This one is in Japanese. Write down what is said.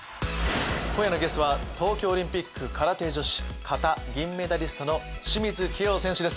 今夜のゲストは東京オリンピック空手女子形銀メダリストの清水希容選手です